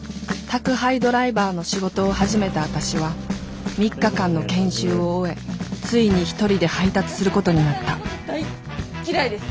宅配ドライバーの仕事を始めた私は３日間の研修を終えついに１人で配達することになった大っ嫌いです。